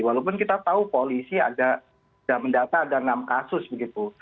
walaupun kita tahu polisi ada mendata ada enam kasus begitu